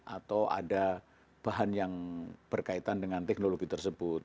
atau ada bahan yang berkaitan dengan teknologi tersebut